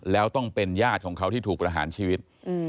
แล้วต้องเป็นญาติของเขาที่ถูกประหารชีวิต